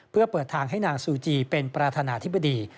เพื่อเปิดทางให้นางซูจีเป็นประธานาธิบดี